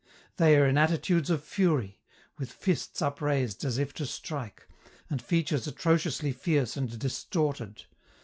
They are in attitudes of fury, with fists upraised as if to strike, and features atrociously fierce and distorted.